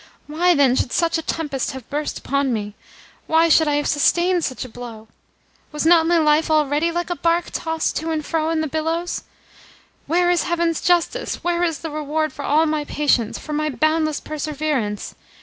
Why, then, should such a tempest have burst upon me? Why should I have sustained such a blow? Was not my life already like a barque tossed to and fro by the billows? Where is Heaven's justice where is the reward for all my patience, for my boundless perseverance?